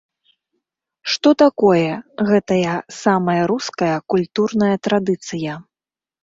Што такое гэтая самая руская культурная традыцыя?